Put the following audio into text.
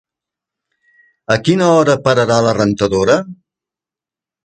A quina hora pararà la rentadora?